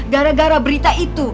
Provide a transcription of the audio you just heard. gara gara berita itu